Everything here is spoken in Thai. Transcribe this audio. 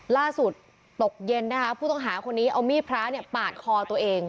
ตกเย็นนะคะผู้ต้องหาคนนี้เอามีดพระเนี่ยปาดคอตัวเอง